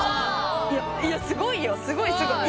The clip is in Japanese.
いやすごいよすごいすごい。